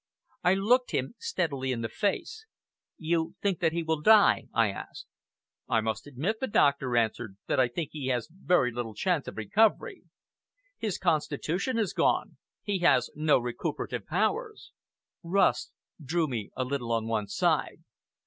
I looked him steadily in the face. "You think that he will die?" I asked. "I must admit," the doctor answered, "that I think he has very little chance of recovery. His constitution has gone. He has no recuperative powers." Rust drew me a little on one side.